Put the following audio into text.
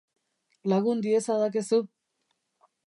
Lagun diezadakezu?